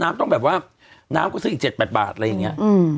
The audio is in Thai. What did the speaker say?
แต่ต้องไม่กินน้ำก็ซื้ออีก๗๘บาทอะไรอย่างนี้